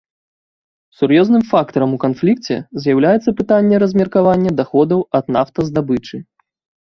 Сур'ёзным фактарам у канфлікце з'яўляецца пытанне размеркавання даходаў ад нафтаздабычы.